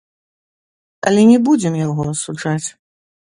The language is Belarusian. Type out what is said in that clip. Але не будзем яго асуджаць.